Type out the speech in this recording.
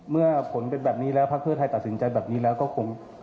เมื่อผลเป็นแบบนี้แล้วพักเพื่อไทยตัดสินใจแบบนี้แล้วก็คง